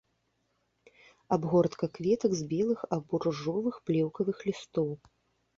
Абгортка кветак з белых або ружовых плеўкавых лістоў.